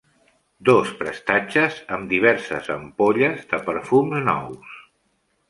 Dos prestatges amb diverses ampolles de perfums nous.